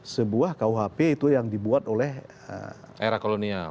sebuah kuhp itu yang dibuat oleh era kolonial